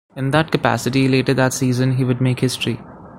In that capacity, later that season, he would make history.